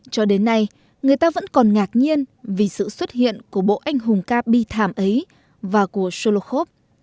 cho đến nay người ta vẫn còn ngạc nhiên vì sự xuất hiện của bộ anh hùng ca bi thảm ấy và của solokhov